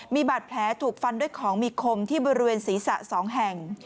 มีบาดแผลถูกฟันด้วยของมีคมที่บริเวณศีรษะ๒แห่ง